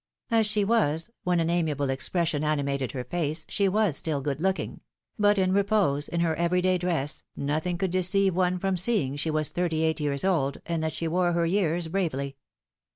As she was, when an amiable expression animated her face, she was still good looking; but in repose, in her everyday dress, nothing could deceive one from seeing she was thirty eight years old, and that she wore her years bravely.